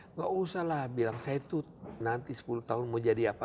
nggak usah lah bilang saya itu nanti sepuluh tahun mau jadi apa